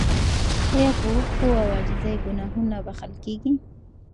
ایا په اوښکو او عاجزۍ ګناهونه بخښل کیږي؟